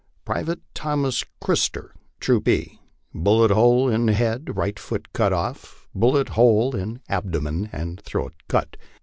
" Private Thomas Christer, Troop E, bullet hole in head, right foot cut off, bullet hole in abdomen, and throat cut.